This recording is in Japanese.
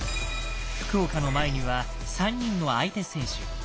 福岡の前には３人の相手選手。